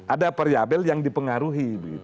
ada variabel yang dipengaruhi